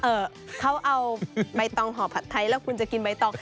เอ่อเขาเอาใบตองห่อผัดไทยแล้วคุณจะกินใบตอง